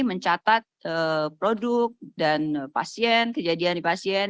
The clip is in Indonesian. mencatat produk dan pasien kejadian di pasien